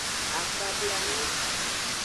Akpablanu.